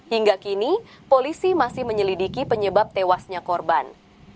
hingga kini polisi masih menyelidiki penyebab tewasnya korban